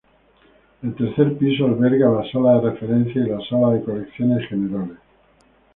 El tercer piso alberga la sala de referencias y la sala de colecciones generales.